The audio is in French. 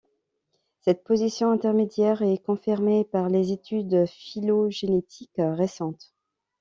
Cette position intermédiaire est confirmée par les études phylogénétiques récentes.